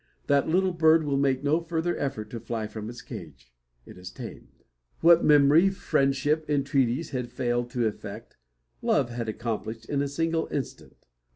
That little bird will make no further effort to fly from its cage. It is tamed. What memory, friendship, entreaties, had tailed to effect, love had accomplished in a single instant.